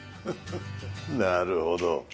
なるほど。